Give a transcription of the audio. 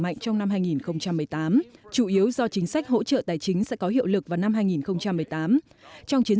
mạnh trong năm hai nghìn một mươi tám chủ yếu do chính sách hỗ trợ tài chính sẽ có hiệu lực vào năm hai nghìn một mươi tám trong chiến